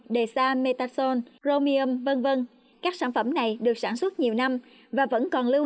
desamethasone chromium v v các sản phẩm này được sản xuất nhiều năm và vẫn còn lưu